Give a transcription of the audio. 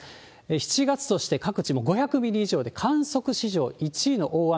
７月として、各地もう５００ミリ以上で、観測史上１位の大雨。